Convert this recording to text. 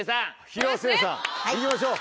広末さんいきましょう。